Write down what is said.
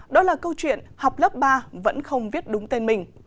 đó là câu chuyện học lớp ba vẫn không viết đúng tên mình